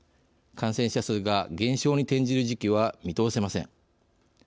感染者数が減少に転じる時期は見通せません。